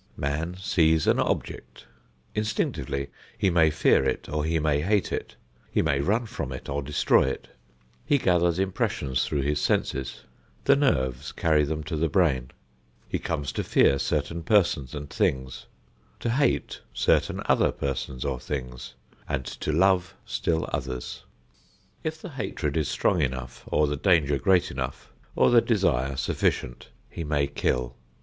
Man sees an object. Instinctively he may fear it or he may hate it. He may run from it or destroy it. He gathers impressions through his senses. The nerves carry them to the brain. He comes to fear certain persons and things, to hate certain other persons or things, and to love still others. If the hatred is strong enough or the danger great enough or the desire sufficient, he may kill.